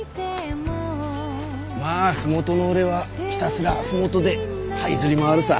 まあふもとの俺はひたすらふもとで這いずり回るさ。